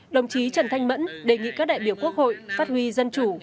đồng chí trần thanh mẫn đề nghị các đại biểu quốc hội phát huy dân chủ